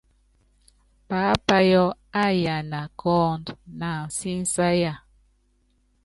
Paápayɔ́ áyana kɔ́ ɔɔ́nd na ansísáya.